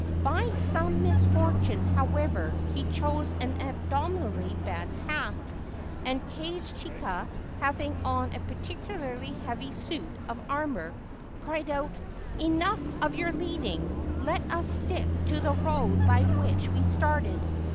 By some misfortune, however, he chose an abominably bad path, and Kage chika, having on a particularly heavy suit of armour, cried out, ' Enough of your leading ! Let us stick to the road by which we started.